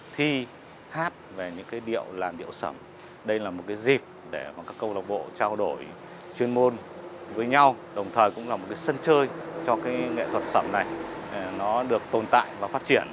thành môn với nhau đồng thời cũng là một sân chơi cho nghệ thuật sầm này được tồn tại và phát triển